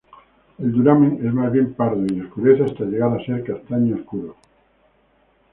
El duramen es más bien pardo y oscurece hasta llegar a ser castaño oscuro.